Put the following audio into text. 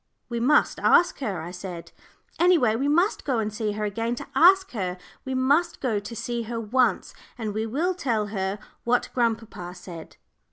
"We must ask her," I said; "any way, we must go and see her again to ask her. We must go to see her once, and we will tell her what grandpapa said."